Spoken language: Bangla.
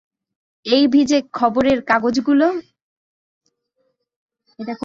এই ভিজে খবরের কাগজগুলো?